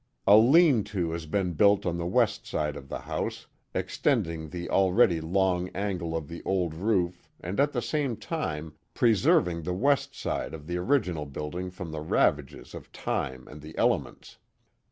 A "lean to has been built on the west side of the house, extending the already long angle of the old roof and at the same time preserving the west side of the original building from the ravages of time and the elements.